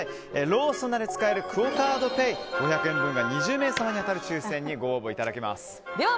ローソンなどで使えるクオ・カードペイ５００円分が２０名様に当たる抽選にご応募いただけます。